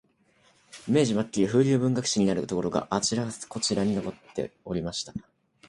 明治末期の風流文学史になるところが、あちらこちらに残っておりました